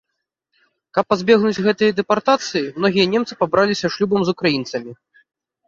Каб пазбегнуць гэта дэпартацыі, многія немцы пабраліся шлюбам з украінцамі.